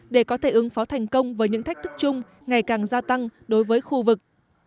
để có thể ứng phó thành công với những thách thức chung ngày càng gia tăng đối với khu vực